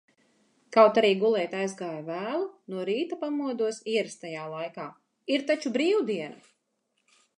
Kaut arī gulēt aizgāju vēlu, no rīta pamodos ierastajā laikā. Ir taču bīvdiena!